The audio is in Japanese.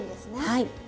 はい。